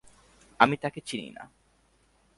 আমি তাকে চিনি না।